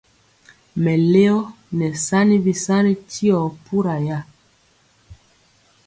Mɛleo nɛ sani bisani tyio pura ya.